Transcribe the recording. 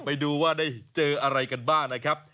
ไปดูว่าได้เจออะไรกันบ้างนะครับ